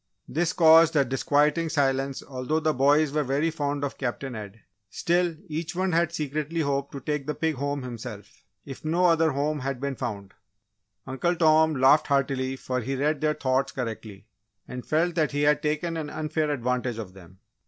This caused a disquieting silence although the boys were very fond of Captain Ed; still each one had secretly hoped to take the pig home himself, if no other home had been found. Uncle Tom laughed heartily for he read their thoughts correctly, and felt that he had taken an unfair advantage of them.